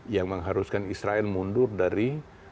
yang mengharuskan israel mundur dari